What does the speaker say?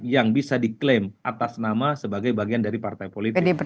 yang bisa diklaim atas nama sebagai bagian dari partai politik